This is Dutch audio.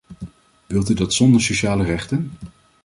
Wilt u dat zonder sociale rechten?